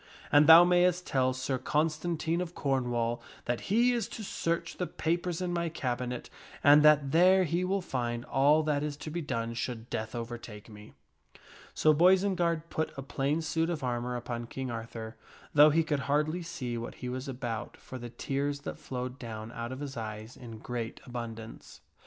And thou mayst tell Sir Constantine of Cornwall that he is to search the papers in my cabinet, and that there he will find all that is to be done should death overtake me." So Boisenard put a plain suit of armor upon King Arthur, though he could hardly see what he was about for the tears that flowed down out of his eyes in great abundance.